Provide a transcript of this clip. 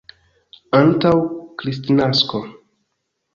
Antaŭ Kristnasko.